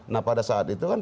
nah pada saat itu kan